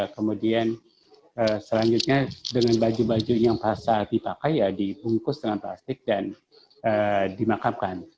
kemudian selanjutnya dengan baju baju yang pasal dipakai dibungkus dengan plastik dan dimakamkan